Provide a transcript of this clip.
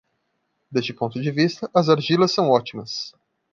Deste ponto de vista, as argilas são ótimas.